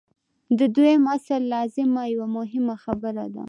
د دویم اصل لازمه یوه مهمه خبره ده.